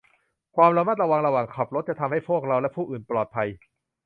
ความระมัดระวังระหว่างขับรถจะทำให้พวกเราและผู้อื่นปลอดภัย